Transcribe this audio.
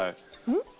うん？